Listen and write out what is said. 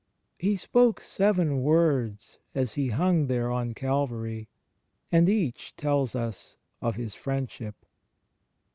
He spoke Seven Words as He hung there on Calvary, and each tells us of His Friendship.